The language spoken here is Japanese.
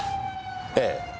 ええ。